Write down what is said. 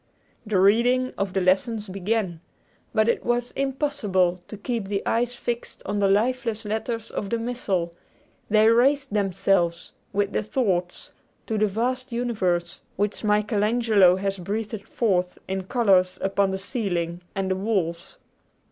The reading of the lessons began. But it was impossible to keep the eyes fixed on the lifeless letters of the Missal they raised themselves, with the thoughts, to the vast universe which Michael Angelo has breathed forth in colors upon the ceiling and the walls.